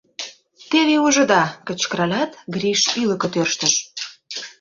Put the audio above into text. Теве ужыда! — кычкыралят, Гриш ӱлыкӧ тӧрштыш.